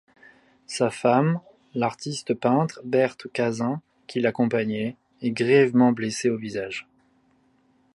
Sa femme, l'artiste peintre Berthe Cazin, qui l'accompagnait, est grièvement blessée au visage.